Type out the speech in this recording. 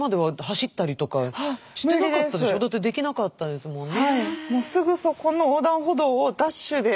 だってできなかったですもんね。